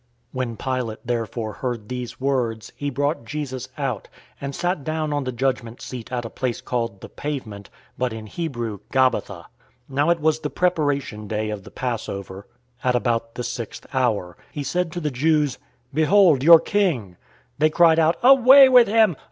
019:013 When Pilate therefore heard these words, he brought Jesus out, and sat down on the judgment seat at a place called "The Pavement," but in Hebrew, "Gabbatha." 019:014 Now it was the Preparation Day of the Passover, at about the sixth hour.{noon} He said to the Jews, "Behold, your King!" 019:015 They cried out, "Away with him!